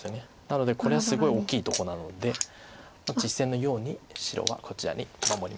なのでこれはすごい大きいとこなので実戦のように白はこちらに守りました。